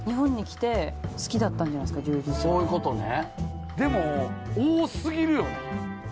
そういうことね。